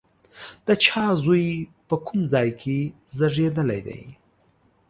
د چا زوی، په کوم ځای کې زېږېدلی دی؟